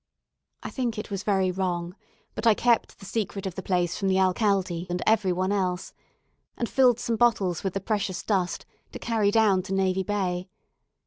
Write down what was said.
I think it was very wrong; but I kept the secret of the place from the alcalde and every one else, and filled some bottles with the precious dust, to carry down to Navy Bay.